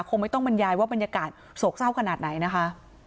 คงไม่ต้องบรรยายว่าบรรยากาศโศกเศร้าขนาดไหนนะคะ